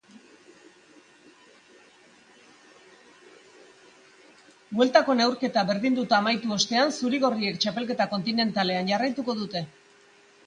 Bueltako neurketa berdinketarekin amaitu ostean, zurigorriek txapelketa kontinentalean jarraituko dute.